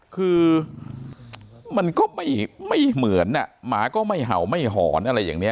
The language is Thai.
คือมันก็ไม่เหมือนหมาก็ไม่เห่าไม่หอนอะไรอย่างนี้